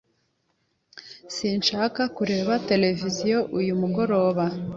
Sinshaka kureba televiziyo uyu mugoroba.